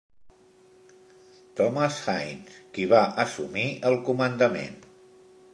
Thomas Hines, qui va assumir el comandament.